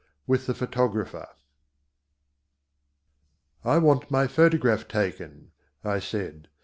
With the Photographer_ "I WANT my photograph taken," I said.